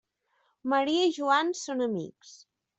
Maria i Joan són amics.